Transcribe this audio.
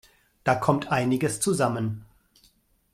Da kommt einiges zusammen.